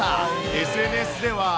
ＳＮＳでは。